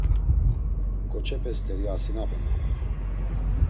Ǩoçepe st̆eri asinapenan.